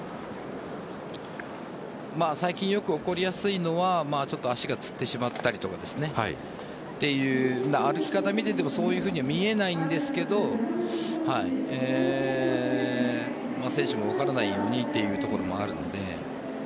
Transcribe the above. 最近、よく起こりやすいのはちょっと足がつってしまったりとか歩き方を見ていてもそういうふうには見えないんですが選手も分からないようにというところもあるので。